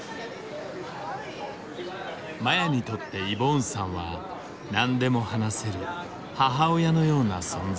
麻也にとってイボーンさんは何でも話せる母親のような存在だ。